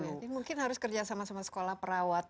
ini mungkin harus kerja sama sama sekolah perawat